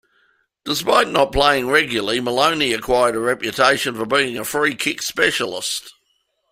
Despite not playing regularly, Maloney acquired a reputation for being a free kick specialist.